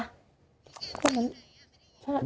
ใช่อยู่กว่านั้น